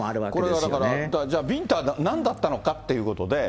これがだから、じゃあ、ビンタはなんだったのかっていうことで。